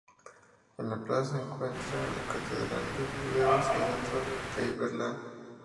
En la plaza se encuentra la Catedral de Burdeos y la torre Pey-Berland.